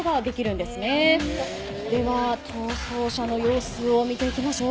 では、逃走者の様子を見ていきましょう。